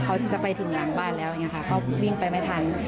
เขาจะไปถึงหลังบ้านแล้วเขาวิ่งไปไม่ทัน